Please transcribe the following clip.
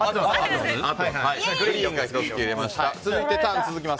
続いて、ターンが続きます。